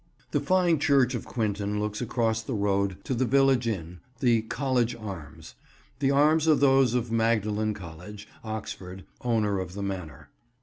The fine church of Quinton looks across the road to the village inn, the "College Arms." The arms are those of Magdalen College, Oxford, owner of the manor.